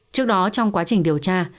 trước đó trong quá trình điều tra